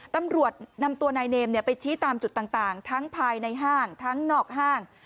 ตำรวจนำตัวนายเนมไปชี้ตามจุดต่างทั้งภายในห้างทั้งนอกห้าง